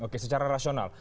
oke secara rasional